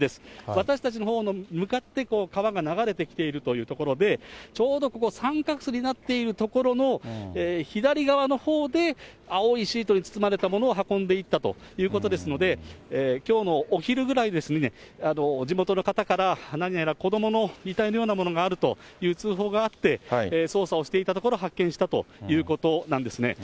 私たちのほうの、向かって川が流れてきているというところで、ちょうどここ、三角州になっている所の左側のほうで、青いシートに包まれたものを運んでいったということですので、きょうのお昼ぐらいに、地元の方から、何やら子どもの遺体のようなものがあるという通報があって、捜査をしていたところ、発見したということなんですね。